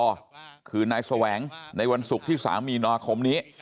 ก็คือนายแสวงในวันศุกร์ที่๓มีนาคมนี้